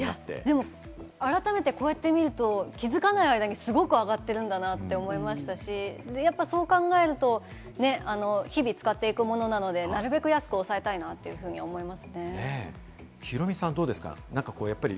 改めてこうやって見ると、気づかない間にすごく上がってるんだなって思いましたし、そう考えると日々使っていくものなので、なるべく安く抑えたいなヒロミさん、どうですか？